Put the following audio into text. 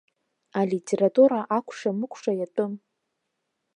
Алитература акәшамыкәша иатәым.